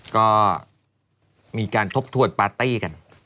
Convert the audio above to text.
ก็มีการทบทวนปาร์ตี้กัน